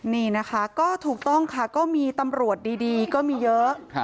นี่นะคะก็ถูกต้องค่ะก็มีตำรวจดีก็มีเยอะ